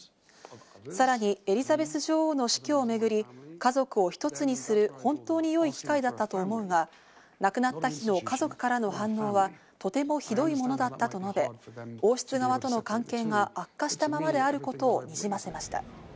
さらにエリザベス女王の死去をめぐり、家族をひとつにする本当に良い機会だったと思うが、亡くなった日の家族からの反応はとてもひどいものだったと述べ、王室側との関係が悪化したままであることをにじませました。